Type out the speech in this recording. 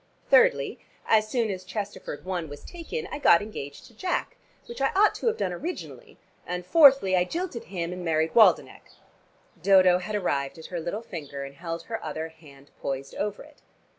Thirdly, as soon as Chesterford I. was taken, I got engaged to Jack which I ought to have done originally; and fourthly, I jilted him and married Waldenech." Dodo had arrived at her little finger and held her other hand poised over it.